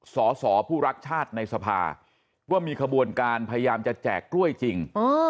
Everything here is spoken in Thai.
สอสอผู้รักชาติในสภาว่ามีขบวนการพยายามจะแจกกล้วยจริง